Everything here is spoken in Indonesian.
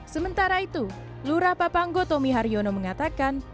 sementara itu lura papanggo tomi haryono mengatakan